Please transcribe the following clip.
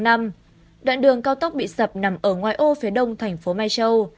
đoạn đường cao tốc bị sập nằm ở ngoài ô phía đông thành phố mai châu